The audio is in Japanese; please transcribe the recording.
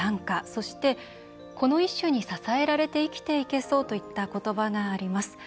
そして「この一首に支えられて生きていけそう」といった言葉があります。